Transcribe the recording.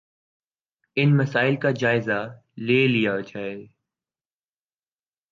ان مسائل کا جائزہ لے لیا جائے